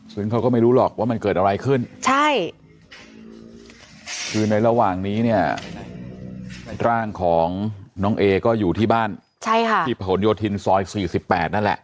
ซึ่งเขาก็ไม่รู้หรอกว่ามันเกิดอะไรขึ้นใช่คือในระหว่างนี้เนี่ยร่างของน้องเอก็อยู่ที่บ้านที่ผนโยธินซอย๔๘นั่นแหละ